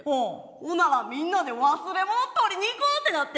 ほんならみんなで忘れ物取りに行こうってなって。